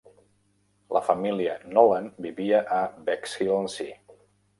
La família Nolan vivia a Bexhill-on-Sea.